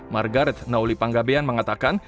margaret nauli panggabean mengatakan